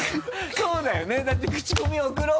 そうだよねだってクチコミ送ろう。